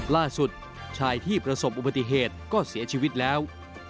ล่าสุดชายที่ประสบอุบัติเหตุก็เสียชีวิตแล้ว